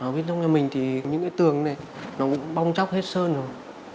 bên trong nhà mình thì những cái tường này nó cũng bong chóc hết sơn rồi